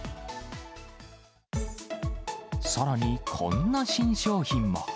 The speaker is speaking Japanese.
さらに、こんな新商品も。